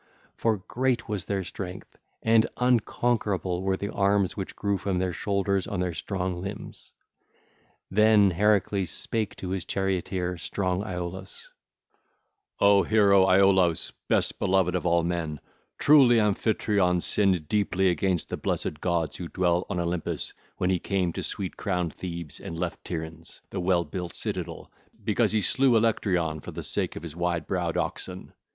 For great was their strength and unconquerable were the arms which grew from their shoulders on their strong limbs. Then Heracles spake to his charioteer strong Iolaus: (ll. 78 94) 'O hero Iolaus, best beloved of all men, truly Amphitryon sinned deeply against the blessed gods who dwell on Olympus when he came to sweet crowned Thebe and left Tiryns, the well built citadel, because he slew Electryon for the sake of his wide browned oxen.